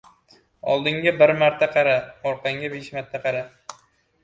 • Oldinga bir marta qara, orqaga besh marta qara.